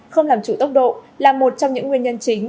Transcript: không làm chủ tốc độ là một trong những nguyên nhân chính